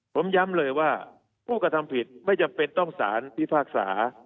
ผมย้ำเลยว่าผู้กระทำผิดไม่จำเป็นต้องสารพิพากษา